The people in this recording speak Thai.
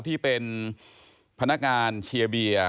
ที่เป็นพนักงานเชียร์เบียร์